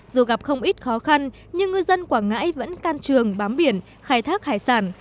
dù gặp không ít khó khăn nhưng ngư dân quảng ngãi vẫn can trường bám biển khai thác hải sản